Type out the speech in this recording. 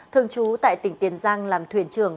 thường trú tại tỉnh tiền giang làm thuyền trường